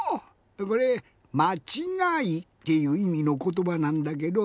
これまちがいっていういみのことばなんだけど。